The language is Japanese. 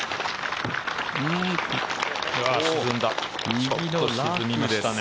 ちょっと沈みましたね。